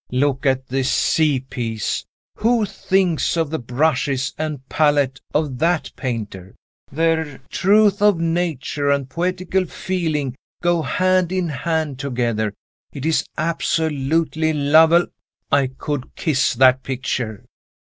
Look at this sea piece. Who thinks of the brushes and palette of that painter? There, truth to Nature and poetical feeling go hand in hand together. It is absolutely lovely I could kiss that picture."